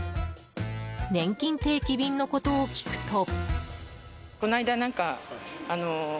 ねんきん定期便のことを聞くと。